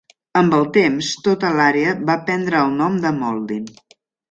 Amb el temps, tota l'àrea va prendre el nom de Mauldin.